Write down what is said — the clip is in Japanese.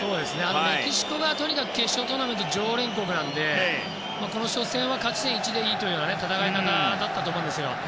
メキシコが決勝トーナメント常連国なのでこの初戦は勝ち点１でいいという戦い方だったと思います。